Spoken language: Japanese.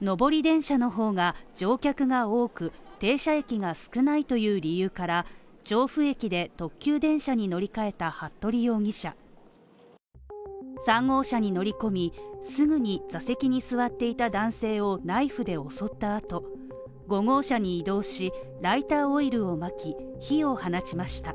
上り電車の方が、乗客が多く停車駅が少ないという理由から調布駅で特急電車に乗り換えた服部容疑者３号車に乗り込み、すぐに座席に座っていた男性をナイフで襲ったあと、５号車に移動しライターオイルをまき火を放ちました。